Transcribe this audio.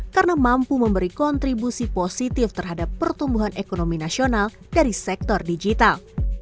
karena mampu memberi kontribusi positif terhadap pertumbuhan ekonomi nasional dari sektor digital